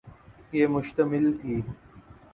پہ مشتمل تھی۔